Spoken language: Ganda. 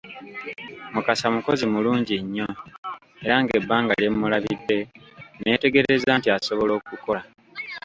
Mukasa mukozi mulungi nnyo era ng’ebbanga lye mulabidde nneetegerezza nti asobola okukola.